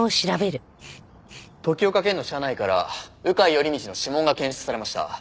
時岡賢の車内から鵜飼頼道の指紋が検出されました。